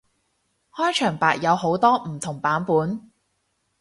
開場白有好多唔同版本